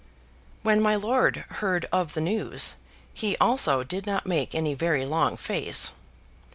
When my lord heard of the news, he also did not make any very long face.